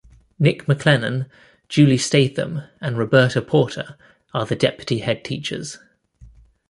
Nick McClellan, Julie Statham and Roberta Porter are the deputy head teachers.